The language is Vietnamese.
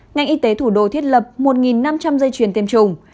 ngành y tế thủ đô thiết lập một năm trăm linh dây chuyền tiêm chủng